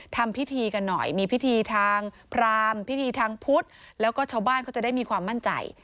ทำพิธีกันหน่อยมีพิธีทางพรามพิธีทางพุทธแล้วก็ชาวบ้านเขาจะได้มีความมั่นใจ